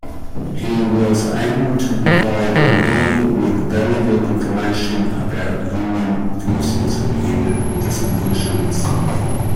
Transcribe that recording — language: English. He was able to provide Lee with valuable information about Union forces and dispositions.